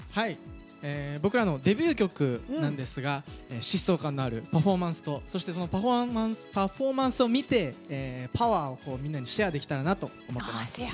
僕らのデビュー曲なんですが疾走感のあるパフォーマンスとそのパフォーマンスを見てパワーをみんなにシェアできたらいいなと思います。